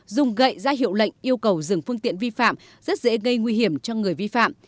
dùng gậy ra hiệu lệnh yêu cầu dừng phương tiện vi phạm rất dễ gây nguy hiểm cho người vi phạm